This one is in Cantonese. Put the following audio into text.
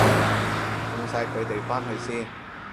送晒佢哋返去先